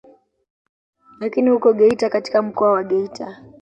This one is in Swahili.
Lakini huko Geita katika mkoa wa Geita